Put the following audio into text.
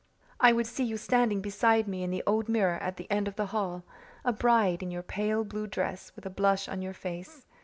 I would see you standing beside me in the old mirror at the end of the hall a bride, in your pale blue dress, with a blush on your face.